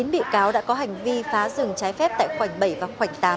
chín bị cáo đã có hành vi phá rừng trái phép tại khoảnh bảy và khoảnh tám